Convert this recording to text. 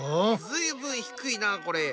ずいぶん低いなこれ。